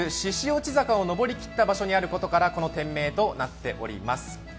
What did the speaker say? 落坂を上りきった場所にあることからこの店名となっております。